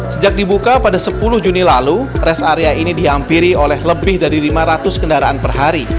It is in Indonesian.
sejak dibuka pada sepuluh juni lalu rest area ini dihampiri oleh lebih dari lima ratus kendaraan per hari